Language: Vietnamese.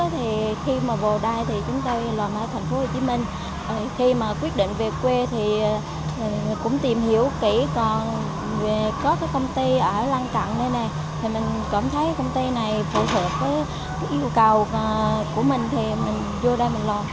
thì mình cảm thấy công ty này phù hợp với yêu cầu của mình thì mình vô đây mình lo